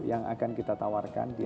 yang akan kita tawarkan